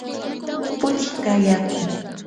puchka yaku.